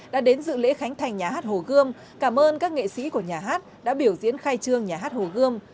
đã đến dự lễ khánh thành nhà hát hồ gươm cảm ơn các nghệ sĩ của nhà hát đã biểu diễn khai trương nhà hát hồ gươm